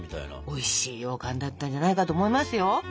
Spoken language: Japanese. おいしいようかんだったんじゃないかと思いますよ。